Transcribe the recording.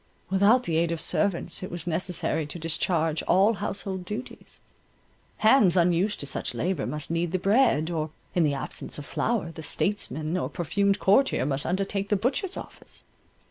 Without the aid of servants, it was necessary to discharge all household duties; hands unused to such labour must knead the bread, or in the absence of flour, the statesmen or perfumed courtier must undertake the butcher's office.